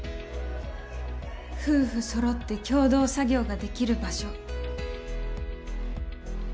夫婦そろって共同作業ができる場所。